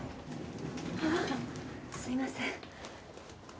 すいません。